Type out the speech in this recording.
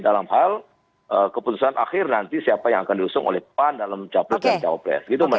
dalam hal keputusan akhir nanti siapa yang akan diusung oleh pan dalam capres dan cawapres